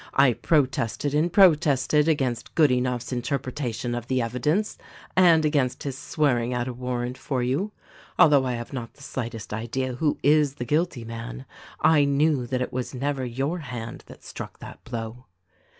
I protested and protested against Good enough's interpretation of the evidence and against his swearing out a warrant for you. Although I have not the slightest idea who is the guilty man, I knew that it was never your hand that struck that blow."